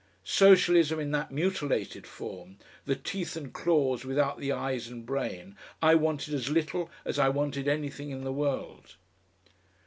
Socialism in that mutilated form, the teeth and claws without the eyes and brain, I wanted as little as I wanted anything in the world.